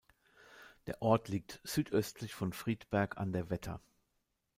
Der Ort liegt südöstlich von Friedberg an der Wetter.